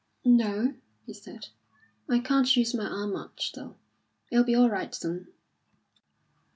"No," he said, "I can't use my arm much, though. It'll be all right soon."